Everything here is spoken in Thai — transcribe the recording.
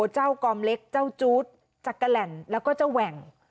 กอมเล็กเจ้าจู๊ดจักรแหล่นแล้วก็เจ้าแหว่ง